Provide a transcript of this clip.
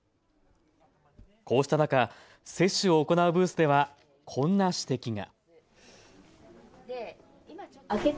こうした中、接種を行うブースではこんな指摘が。